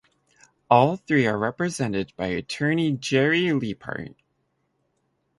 All three are represented by attorney Jerry Leaphart.